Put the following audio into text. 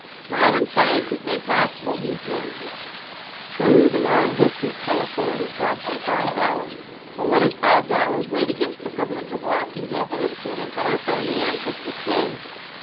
Modern science has made possible these miracles. True, the long distance telephone would cost him five dollars; but what is five dollars weighed against the privilege of wafting happiness to an entire family on Christmas Day!